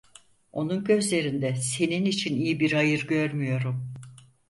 Onun gözlerinde senin için iyi bir hayır görmüyorum.